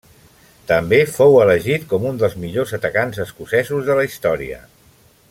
També fou elegit com un dels millors atacants escocesos de la història.